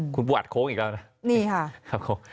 คุณปุอัทโค้งอีกแล้วครับ